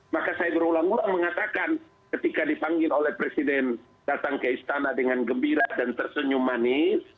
maka saya berulang ulang mengatakan ketika dipanggil oleh presiden datang ke istana dengan gembira dan tersenyum manis